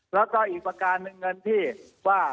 แล้วก็อีกประการหนึ่งเงินที่ว่า